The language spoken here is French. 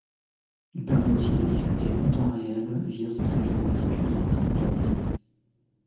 Il permet aussi de discuter en temps réel via son service de messagerie instantanée.